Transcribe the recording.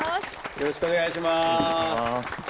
よろしくお願いします。